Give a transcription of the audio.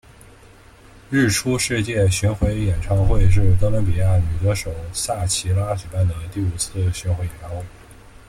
日出世界巡回演唱会是哥伦比亚女歌手夏奇拉举办的第五次巡回演唱会。